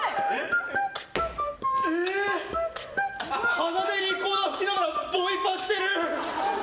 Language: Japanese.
鼻でリコーダー吹きながらボイパしてる。